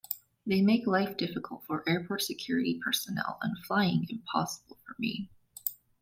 They make life difficult for airport security personnel and flying impossible for me.